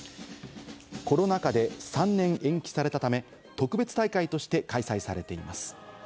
コロナ禍で３年延期されたため、特別大会として開催されています。